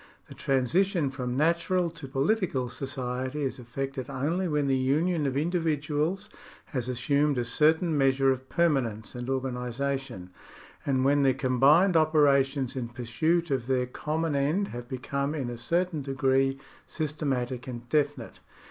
The transition from natural to political society is effected only when the union of indivi duals has assumed a certain measure of permanence and organisation, and when their combined operations in pursuit of their common end have become in a certain degree sys tematic and definite.